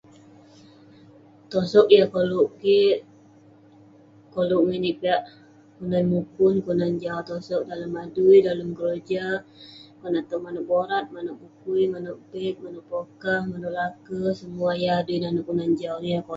tosog yah koluk kik koluk ninik piak kelunan mukun, kelunan jau tosog dalem adui dalem keroja konak towk manouk borat, manouk bukui ,manouk bag, manouk pokah, manouk lake, semua yah adui nanouk kelunan jau